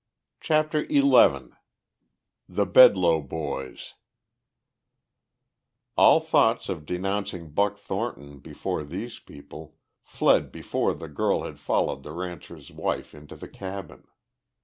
CHAPTER XI THE BEDLOE BOYS All thoughts of denouncing Buck Thornton before these people fled before the girl had followed the rancher's wife into the cabin.